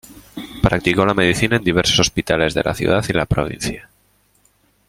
Practicó la medicina en diversos hospitales de la ciudad y la provincia.